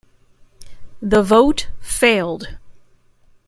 The vote failed.